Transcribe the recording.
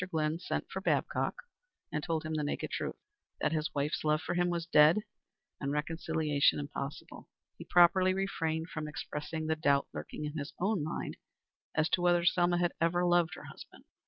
Glynn sent for Babcock and told him the naked truth, that his wife's love for him was dead and reconciliation impossible. He properly refrained from expressing the doubt lurking in his own mind as to whether Selma had ever loved her husband.